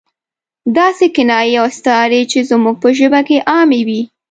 داسې کنایې او استعارې چې زموږ په ژبه کې عامې وي.